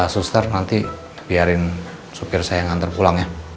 suster nanti biarin supir saya yang ngantar pulang ya